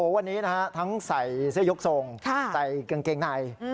วันนี้ทั้งใส่เสื้อยกทรงใส่กางเกงใน